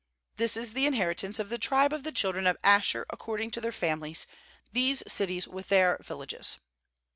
3lrThis is the inheritance of the tribe of the children of Asher according to their families, these cities with their villages.